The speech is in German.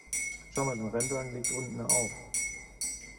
Schau mal, dein Rennwagen liegt unten auf.